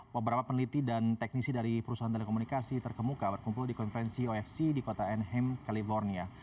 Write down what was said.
beberapa peneliti dan teknisi dari perusahaan telekomunikasi terkemuka berkumpul di konferensi ofc di kota enhem california